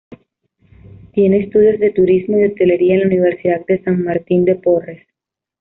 Tiene estudios de Turismo y Hotelería en la Universidad de San Martín de Porres.